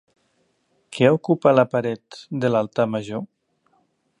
Què ocupa la paret de l'altar major?